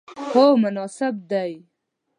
هو، مناسب دی